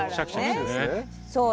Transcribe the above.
そう。